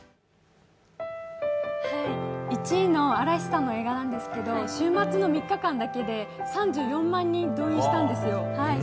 １位の嵐さんの映画なんですけど週末の３日間だけで３４万人動員したんですよ。